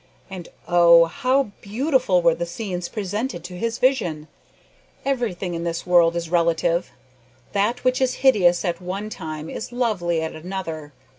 And oh! how beautiful were the scenes presented to his vision! Everything in this world is relative. That which is hideous at one time is lovely at another.